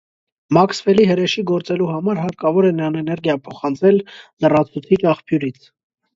Մաքսվելի հրեշի գործելու համար հարակավոր է նրան էներգիա փոխանցել լրացուցիչ աղբյուրից։